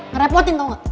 ngerepotin tau gak